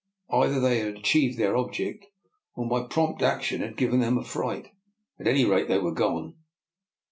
Either they had achieved their object, or my prompt action had given them a fright. At any rate, they were gone.